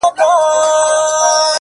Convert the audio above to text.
ماته دي د سر په بيه دوه جامه راکړي دي؛